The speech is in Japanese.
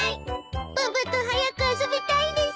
パパと早く遊びたいです。